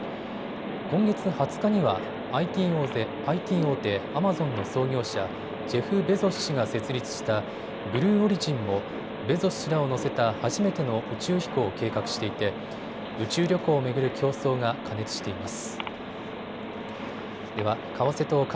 今月２０日にはＩＴ大手アマゾンの創業者、ジェフ・ベゾス氏が設立したブルーオリジンもベゾス氏らを乗せた初めての宇宙飛行を計画していて、宇宙旅行を巡る競争が過熱しています。